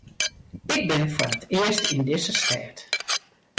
Ik bin foar it earst yn dizze stêd.